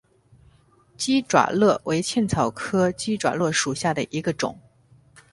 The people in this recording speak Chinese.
鸡爪簕为茜草科鸡爪簕属下的一个种。